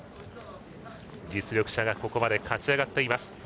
実力者がここまで勝ち上がっています